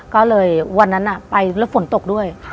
ก็เลยวันนั้นไปแล้วฝนตกด้วย